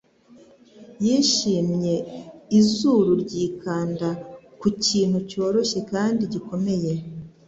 yishimye izuru ryikanda ku kintu cyoroshye kandi gikomeye